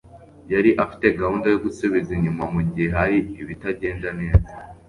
yari afite gahunda yo gusubiza inyuma mugihe hari ibitagenda neza.